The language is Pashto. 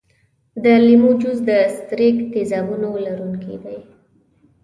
د لیمو جوس د ستریک تیزابونو لرونکی دی.